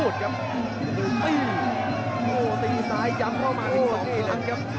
สวัสดีครับสวัสดีครับ